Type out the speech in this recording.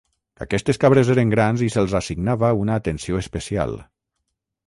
Aquestes cabres eren grans i se'ls assignava una atenció especial.